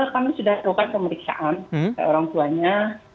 kami sudah lakukan pemeriksaan orang tuanya